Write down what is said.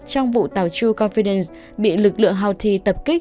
trong vụ tàu true confidence bị lực lượng houthi tập kích